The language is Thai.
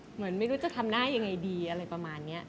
เหมือนไม่รู้จะทำหน้ายังไงดีอะไรประมาณนี้